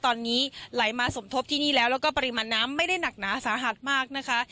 ตอนนี้ไหลมาสมทบที่นี่แล้วแล้วก็ปริมาณน้ำไม่ได้หนักหนาสาหัสมากนะคะ